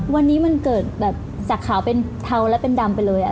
วันนี้มันเกิดแบบจากขาวเป็นเทาและเป็นดำไปเลย